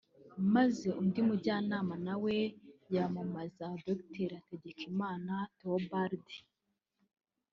maze undi mujyanama nawe yamamaza Dr Hategekimana Theobald